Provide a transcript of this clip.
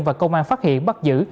và công an phát hiện bắt giữ